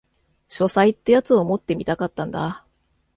書斎ってやつを持ってみたかったんだ